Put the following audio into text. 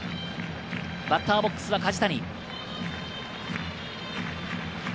バッターボックスは梶谷。